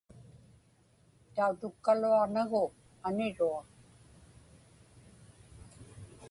Tautukkaluaġnagu aniruaq.